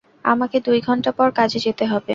আমাকে দুই ঘণ্টা পর কাজে যেতে হবে।